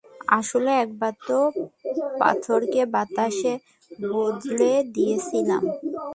আসলে, একবার তো, পাথরকে বাতাসে বদলে দিয়েছিলাম।